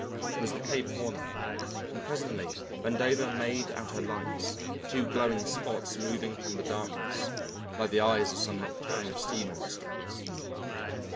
It was the Cape Horner, and presently Vandover made out her lights, two glowing spots moving upon the darkness, like the eyes of some nocturnal sea monster.